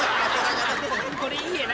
これいいな。